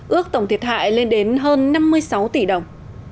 ước tổng thiệt hại lên đến hơn năm mươi sáu tỷ đồng